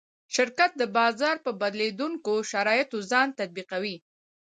شرکت د بازار په بدلېدونکو شرایطو ځان تطبیقوي.